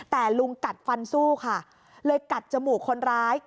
แต่ลุงกัดฟันสู้ค่ะเลยกัดจมูกคนร้าย